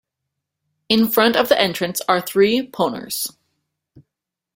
In front of the entrance are three ponors.